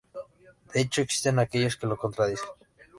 De hecho, existen aquellos que lo contradicen.